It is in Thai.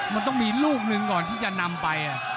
มันต้องมีลูกหนึ่งก่อนที่จะนำไป